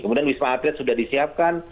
kemudian wisma atlet sudah disiapkan